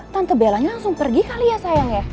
tante belanya langsung pergi kali ya sayang ya